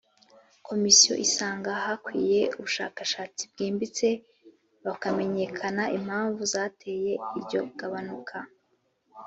komisiyo isanga hakwiye ubushakashatsi bwimbitse hakamenyekana impamvu zateye iryo igabanuka